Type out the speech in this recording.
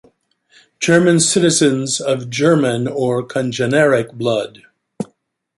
German citizens "of German or congeneric blood".